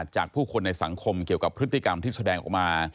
จากผู้คนในสังคมเกี่ยวกับพฤติกรรมที่แสดงออกมา